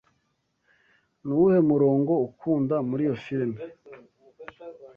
Nuwuhe murongo ukunda muri iyo firime?